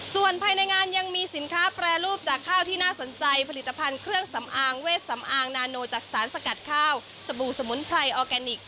ส่วนภายในงานยังมีสินค้าแปรรูปจากข้าวที่น่าสนใจผลิตภัณฑ์เครื่องสำอางเวทสำอางนาโนจากสารสกัดข้าวสบู่สมุนไพรออร์แกนิค